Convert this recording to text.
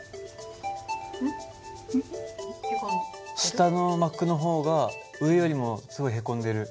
下の膜の方が上よりもすごいへこんでる。